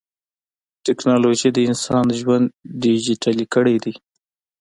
ټکنالوجي د انسان ژوند ډیجیټلي کړی دی.